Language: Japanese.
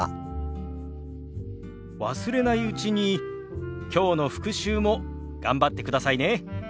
忘れないうちにきょうの復習も頑張ってくださいね。